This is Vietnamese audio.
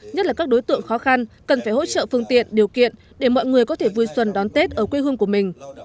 nhất là các đối tượng khó khăn cần phải hỗ trợ phương tiện điều kiện để mọi người có thể vui xuân đón tết ở quê hương của mình